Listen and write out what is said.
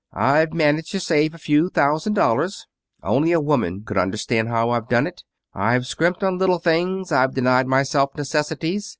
I've managed to save a few thousand dollars. Only a woman could understand how I've done it. I've scrimped on little things. I've denied myself necessities.